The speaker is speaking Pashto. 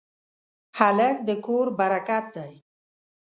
هلک د کور برکت دی.